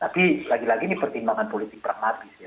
tapi lagi lagi ini pertimbangan politik pragmatis ya